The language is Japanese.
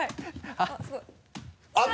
あっ！